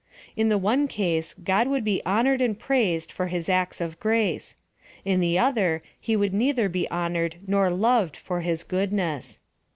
In the one case, God would be honored and praised for his acts ot srrace : in the other he would neither be honored nor loved for his goodness.